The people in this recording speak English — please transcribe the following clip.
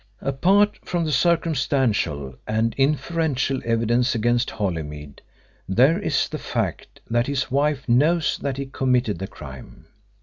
"Apart from the circumstantial and inferential evidence against Holymead, there is the fact that his wife knows that he committed the crime.